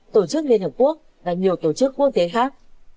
tổ chức liên hợp quốc và nhiều tổ chức quốc tế khác